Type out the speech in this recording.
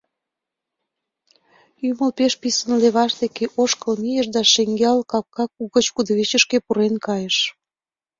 Ӱмыл пеш писын леваш деке ошкыл мийыш да шеҥгел капка гыч кудывечышке пурен кайыш.